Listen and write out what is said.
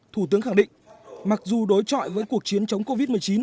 thủ tướng khẳng định mặc dù đối trọi với cuộc chiến chống covid một mươi chín